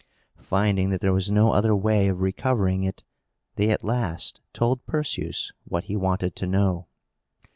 Finding that there was no other way of recovering it, they at last told Perseus what he wanted to know.